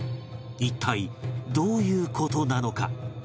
一体どういう事なのか？